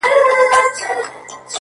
اوس مي حافظه ډيره قوي گلي!!